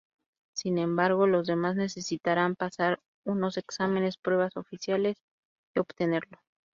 Sin embargo, los demás necesitarán pasar unos exámenes y pruebas oficiales para obtenerlo.